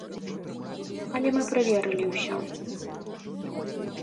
Але мы праверылі ўсё.